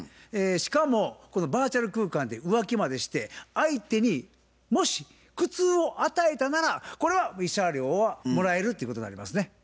しかもバーチャル空間で浮気までして相手にもし苦痛を与えたならこれは慰謝料はもらえるっていうことになりますね。